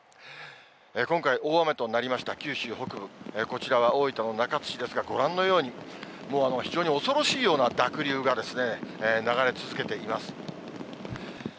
今回、大雨となりました九州北部、こちらは大分の中津市ですが、ご覧のように、もう非常に恐ろしいような濁流が流れ続けています。